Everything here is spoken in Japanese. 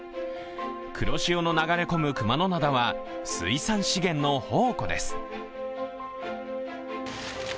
黒潮の流れ込む熊野灘は水産資源の宝庫です。